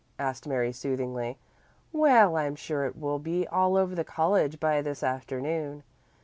asked Mary soothingly. "Well, I'm sure it will be all over the college by this afternoon.